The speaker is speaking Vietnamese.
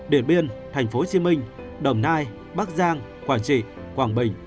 điện biên tp hcm đồng nai bắc giang quảng trị quảng bình